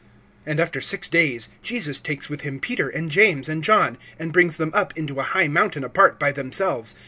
(2)And after six days Jesus takes with him Peter, and James, and John, and brings them up into a high mountain apart by themselves.